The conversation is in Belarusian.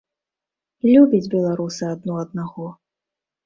Любяць беларусы адно аднаго!